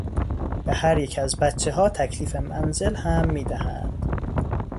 به هریک از بچهها تکلیف منزل هم میدهند.